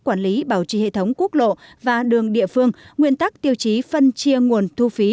quản lý bảo trì hệ thống quốc lộ và đường địa phương nguyên tắc tiêu chí phân chia nguồn thu phí